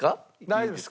大丈夫です。